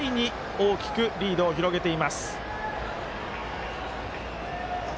大きくリードを広げています。